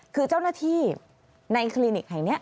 คือเจ้าหน้าที่ในคลินิกแห่งนี้